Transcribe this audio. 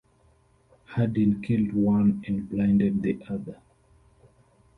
Hardin killed one and blinded the other.